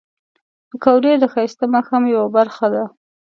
پکورې د ښایسته ماښام یو برخه ده